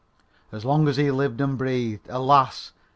As long as he lived and breathed. Alas!